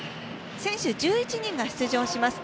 選手１１人が出場します。